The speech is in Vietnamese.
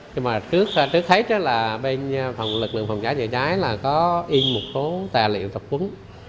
nhưng mà trước hết là bên phòng lực lượng phòng cháy chữa cháy là có in một số tài liệu tập quấn